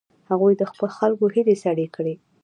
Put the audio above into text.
هغوی د خلکو هیلې سړې کړې.